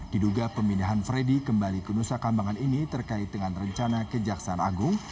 diduga pemindahan freddy kembali ke nusa kambangan ini terkait dengan rencana kejaksaan agung